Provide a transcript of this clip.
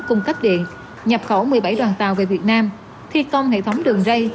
cung cấp điện nhập khẩu một mươi bảy đoàn tàu về việt nam thi công hệ thống đường rây